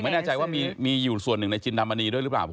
ไม่แน่ใจว่ามีอยู่ส่วนหนึ่งในจินดามณีด้วยหรือเปล่า